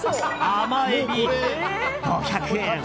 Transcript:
甘エビ、５００円。